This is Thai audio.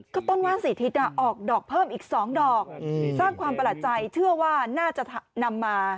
ก็ต้นว่าน๔ทิศออกดอกเพิ่มอีก๒ดอกสร้างความประหลาดใจเชื่อว่าน่าจะนำมา